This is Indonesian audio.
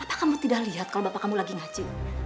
bapak kamu tidak lihat kalau bapak kamu lagi ngaji